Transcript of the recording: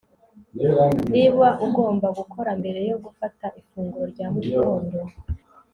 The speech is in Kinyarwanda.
niba ugomba gukora mbere yo gufata ifunguro rya mu gitondo